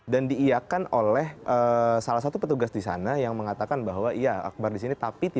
dan diiakan oleh salah satu petugas di sana yang mengatakan bahwa iya akbar disini